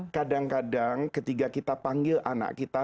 kadang kadang ketika kita panggil anak kita